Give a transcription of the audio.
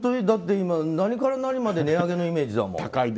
今、何から何まで値上げのイメージだもん。